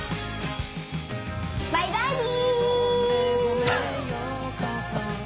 バイバイビ！